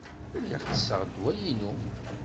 Lliɣ tesseɣ ddwa-inu.